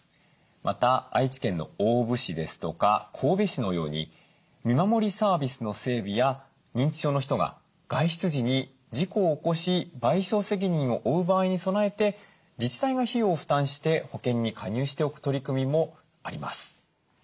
また愛知県の大府市ですとか神戸市のように見守りサービスの整備や認知症の人が外出時に事故を起こし賠償責任を負う場合に備えて自治体が費用を負担して保険に加入しておく取り組みもあります。